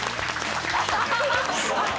ハハハハッ！